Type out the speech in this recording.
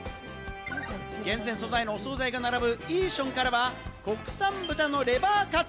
厳選素材のお総菜が並ぶイーションからは国産豚のレバーカツ。